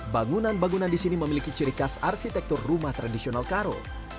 bangunan bangunan di sini memiliki ciri khas arsitektur rumah tradisional karo